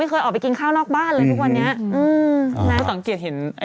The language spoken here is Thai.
ไม่เคยออกไปกินข้าวนอกบ้านเลยพอเนี้ย